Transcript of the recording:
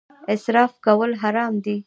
اسراف کول حرام دي